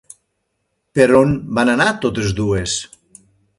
Per on van anar totes dues?